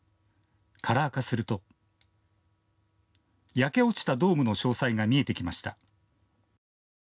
カラー化すると焼け落ちたドームの詳細が見えてきました。